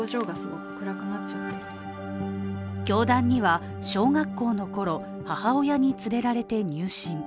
教団には、小学校のころ母親に連れられて入信。